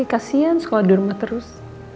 kasian sekolah di rumah terus